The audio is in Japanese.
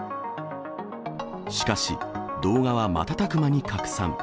しかし、動画は瞬く間に拡散。